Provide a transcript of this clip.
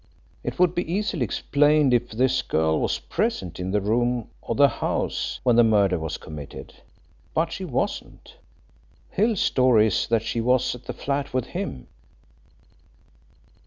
It would be easily explained if this girl was present in the room or the house when the murder was committed. But she wasn't. Hill's story is that she was at the flat with him."